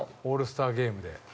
オールスターゲームで。